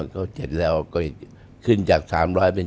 ก็ขึ้นจาก๓๐๐เป็น๗๐๐